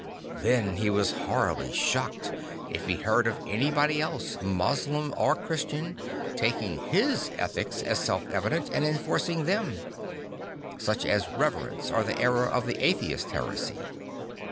Then he was horribly shocked if he heard of anybody else, Moslem or Christian, taking his ethics as self evident and enforcing them,' such as reverence or the error of the Atheist heresy.